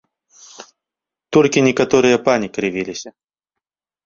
Толькі некаторыя пані крывіліся.